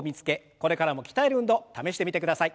これからも鍛える運動試してみてください。